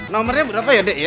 nomornya berapa ya dek ya